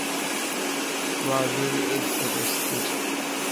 Raju is arrested.